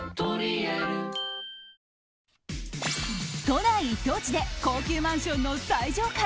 都内一等地で高級マンションの最上階。